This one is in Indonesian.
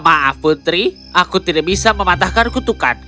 maaf putri aku tidak bisa mematahkan kutukan